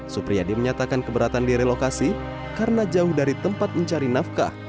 supriyadi menyatakan keberatan direlokasi karena jauh dari tempat mencari nafkah